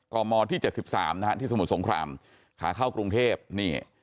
ก่อมอที่เจ็ดสิบสามนะฮะที่สมุทรสงครามขาเข้ากรุงเทพนี่